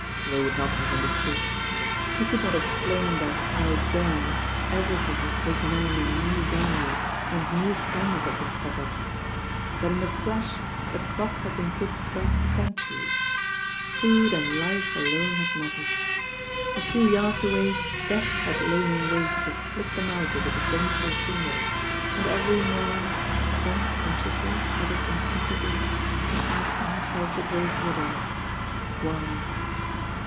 They would not have understood. THE ROAD TO NOWHERE 15 He could not escplftin that "out there" everything had taken on a new value and new standards had been set up, that in a flash the clock had been put back centuries; food and life alone hid mattered. A few yards away Death had lain > wait to flick them out with a disdainful finger, and every man, some consciously, others instinctively, was asking himself the great riddle — ^Why